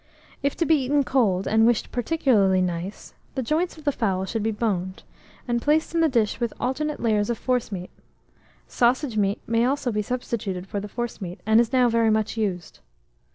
If to be eaten cold, and wished particularly nice, the joints of the fowls should be boned, and placed in the dish with alternate layers of forcemeat; sausage meat may also be substituted for the forcemeat, and is now very much used.